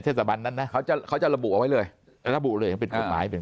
เทศบันนั้นนะเขาจะเขาจะระบุเอาไว้เลยระบุเลยเป็นภูมิเป็น